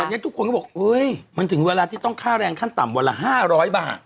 วันนี้ทุกคนก็บอกเฮ้ยมันถึงเวลาที่ต้องค่าแรงขั้นต่ำวันละ๕๐๐บาท